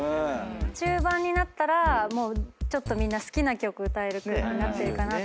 中盤になったらもうちょっとみんな好きな曲歌える空気になってるかなと。